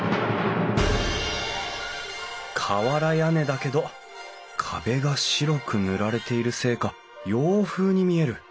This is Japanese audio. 瓦屋根だけど壁が白く塗られているせいか洋風に見える。